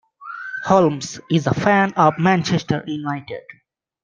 Holmes is a fan of Manchester United.